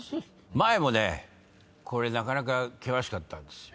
前もねこれなかなか険しかったんですよ。